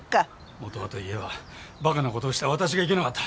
もとはと言えばバカな事をした私がいけなかった。